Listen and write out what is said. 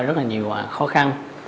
rất là nhiều khó khăn